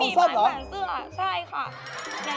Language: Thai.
ไม่มีหมายผ่านเสื้อใช่ค่ะมีหมายผ่านเสื้อเหรอ